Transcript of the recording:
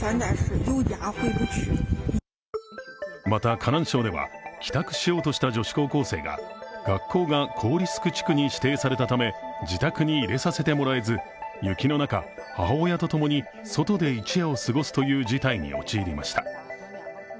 また、河南省では帰宅しようとした女子高校生が学校が高リスク地区に指定されたため自宅に入れさせてもらえず雪の中、母親とともに外で一夜を過ごすという事態に陥りました。